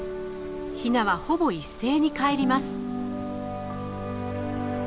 ヒナはほぼ一斉にかえります。